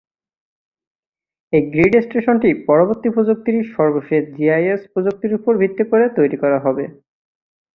এই গ্রিড স্টেশনটি বৈদ্যুতিন প্রযুক্তির সর্বশেষ জিআইএস প্রযুক্তির উপর ভিত্তি করে তৈরি করা হবে।